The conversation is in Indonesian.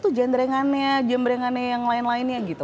terus jendrengannya jembrengannya yang lain lainnya gitu